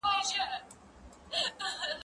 زه به سبا سفر کوم.